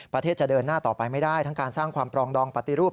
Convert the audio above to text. ประเทศจะเดินหน้าต่อไปไม่ได้ทั้งการสร้างความปรองดองปฏิรูป